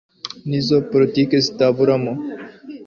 n'iza politike zitaburamo